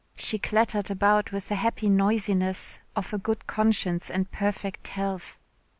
She clattered about with the happy noisiness of a good conscience and perfect health.